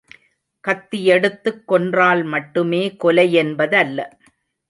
கத்தியெடுத்துக் கொன்றால் மட்டுமே கொலை யென்பதல்ல.